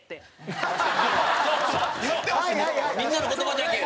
「みんなの言葉じゃけえ！」